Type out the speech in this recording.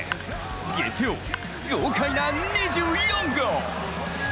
月曜、豪快な２４号。